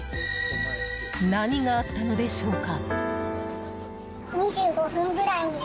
何があったのでしょうか？